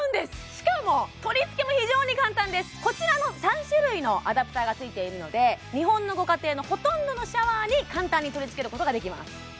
しかも取り付けも非常に簡単ですこちらの３種類のアダプターがついているので日本のご家庭のほとんどのシャワーに簡単に取り付けることができます